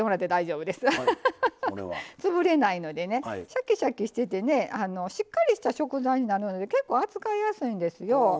シャキシャキしててねしっかりした食材になるので結構扱いやすいんですよ。